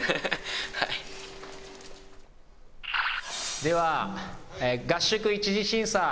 では合宿１次審査。